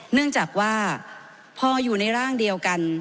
เนื่องจากว่าพออยู่ในร่างเดียวกัน